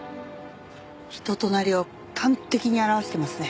人となりを端的に表してますね。